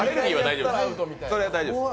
それは大丈夫です。